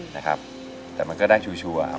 นะครับแต่มันก็ได้ชัวร์